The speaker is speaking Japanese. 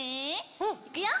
うん。いくよ！